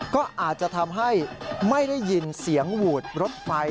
ก็อาจจะทำให้ไม่ได้ยินเสียงหวูดรถไฟ